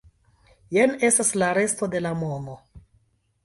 Jen estas la resto de la mono.